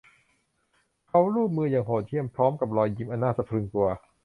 เขาลูบมืออย่างโหดเหี้ยมพร้อมด้วยรอยยิ้มอันน่าสะพรึงกลัว